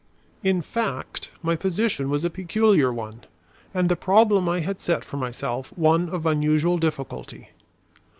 In fact, my position was a peculiar one, and the problem I had set for myself one of unusual difficulty.